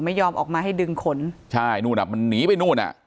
ไม่ยอมออกมาให้ดึงขนใช่นู่นอ่ะมันหนีไปนู่นอ่ะ